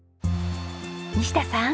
西田さん。